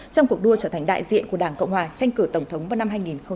trong cuộc đua trở thành đại diện của đảng cộng hòa tranh cử tổng thống vào năm hai nghìn hai mươi